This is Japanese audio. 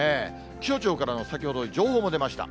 気象庁からの先ほど、情報も出ました。